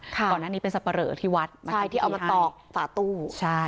ก่อนหน้านี้เป็นสับปะเหลอที่วัดที่เอามาตอกฝาตู้